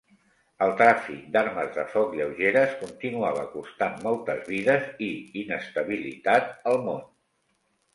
El tràfic d'armes de foc lleugeres continuava costant moltes vides i inestabilitat al món.